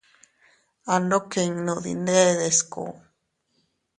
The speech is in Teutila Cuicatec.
Andokinnun dindede sku.